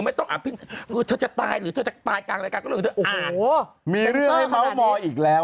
ไม่แต่ว่าผมล้างมือแล้ว